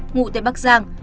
ngụ tại bắc giang